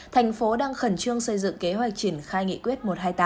thành phố đang khẩn trương xây dựng kế hoạch triển khai nghị quyết một trăm hai mươi tám